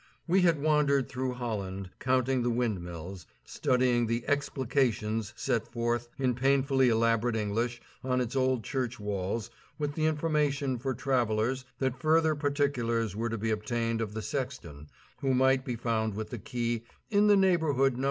We had wandered through Holland, counting the windmills, studying the "explications" set forth in painfully elaborate English on its old church walls with the information for travellers that further particulars were to be obtained of the sexton, who might be found with the key "in the neighborhood No.